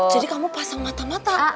jadi kamu pasang mata mata